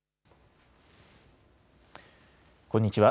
こんにちは。